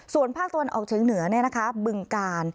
ส่วนภาคตะวันออกเชียงเหนือเนี่ยนะคะบึงการ